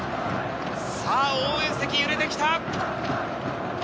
応援席、揺れてきた。